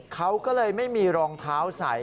เขาก็เลยไม่มีรองเท้าใส่